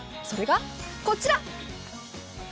それがこちら。